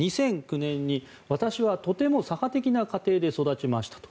２００９年に私はとても左派的な家庭に育ちましたと。